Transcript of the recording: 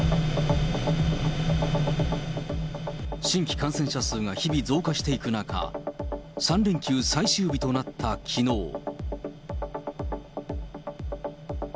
新規感染者数が日々増加していく中、３連休最終日となったきのう。